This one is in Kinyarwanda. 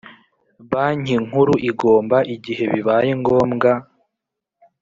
Banki Nkuru igomba igihe bibaye ngombwa